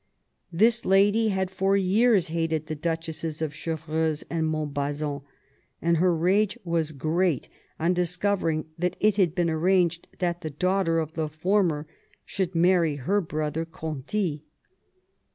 This lady had for years hated the Duchesses of Chevreuse and Montbazon, and her rage was great on discovering that it had been arranged that the daughter of the former should marry her brother Conti.